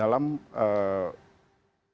dalam meraih dukungan